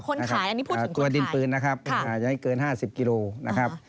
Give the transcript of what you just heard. คนขายอันนี้พูดถึงคนขายตัวดินปืนนะครับอย่าให้เกิน๕๐กิโลกรัม